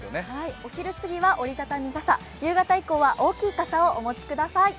お昼過ぎは折りたたみ傘、夕方以降は大きい傘をお持ちください。